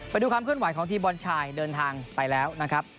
ไปดูความเคลื่อนไหวของทีมบอลชายเดินทางไปแล้วนะครับ